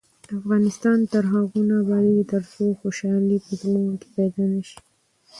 افغانستان تر هغو نه ابادیږي، ترڅو خوشحالي په زړونو کې پیدا نشي.